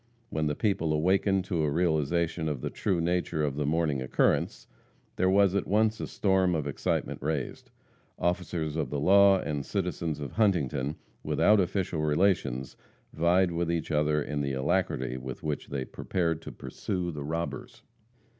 When the people awakened to a realization of the true nature of the morning occurrence, there was at once a storm of excitement raised. Officers of the law and citizens of Huntington, without official relations, vied with each other in the alacrity with which they prepared to pursue the robbers.